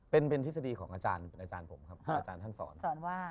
เป็นเป็นทฤษฎีของอาจารย์เป็นอาจารย์ผมครับอาจารย์ท่านสอนว่า